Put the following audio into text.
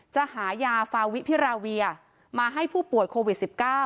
จะหายาฟาวิพิราเวียมาให้ผู้ป่วยโควิด๑๙